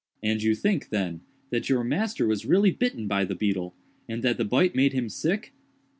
"And you think, then, that your master was really bitten by the beetle, and that the bite made him sick?"